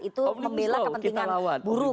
itu membela kepentingan buruh